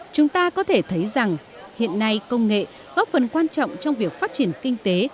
chúng ta có thể thấy rằng hiện nay công nghệ góp phần quan trọng trong việc phát triển kinh tế